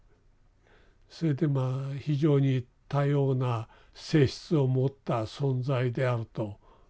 それでまあ非常に多様な性質を持った存在であると。